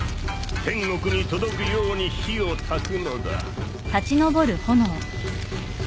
天国に届くように火をたくのだ。